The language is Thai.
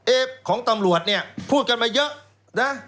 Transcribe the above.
ของตำรวจเนี่ยพูดกันมาเยอะนะ